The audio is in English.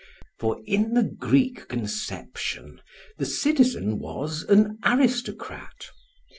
For in the Greek conception the citizen was an aristocrat.